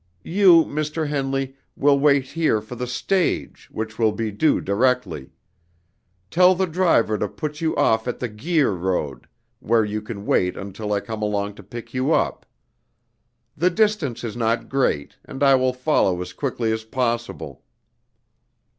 You, Mr. Henley, will wait here for the stage, which will be due directly. Tell the driver to put you off at the Guir Road, where you can wait until I come along to pick you up. The distance is not great, and I will follow as quickly as possible."